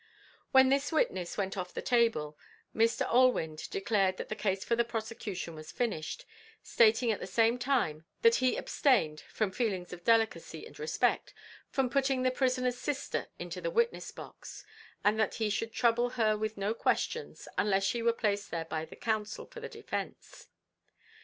When this witness went off the table, Mr. Allewinde declared that the case for the prosecution was finished stating at the same time that he abstained from feelings of delicacy and respect from putting the prisoner's sister into the witness box; and that he should trouble her with no questions unless she were placed there by the counsel for the defence.